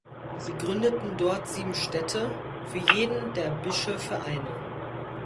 Sie gründeten dort sieben Städte, für jeden der Bischöfe eine.